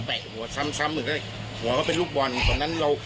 ซ้ำหัวเขาเป็นลูกบอล